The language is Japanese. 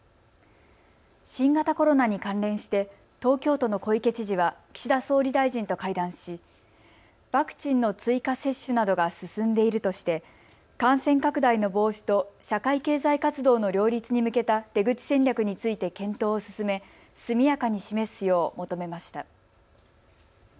新型コロナに関連して東京都の小池知事は岸田総理大臣と会談しワクチンの追加接種などが進んでいるとして感染拡大の防止と社会経済活動の両立に向けた出口戦略について検討を進め、速やかに示すよう求めました。